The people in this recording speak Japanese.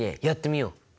やってみよう。